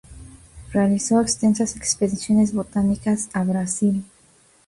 Realizó extensas expediciones botánicas a Brasil.